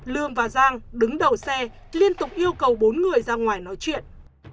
lương và giang đứng đầu xe liên tục yêu cầu bốn người ra ngoài nói chuyện